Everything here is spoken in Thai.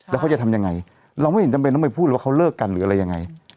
แล้วเขาจะทำยังไงเราไม่เห็นจำเป็นต้องไปพูดเลยว่าเขาเลิกกันหรืออะไรยังไง